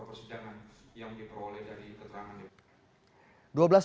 meladiah rahma jakarta